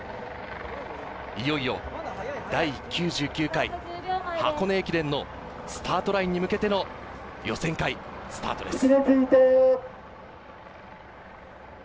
いよいよ第９９回箱根駅伝のスタートラインに向けての予選会スタートです。